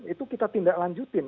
itu kita tidak lanjutin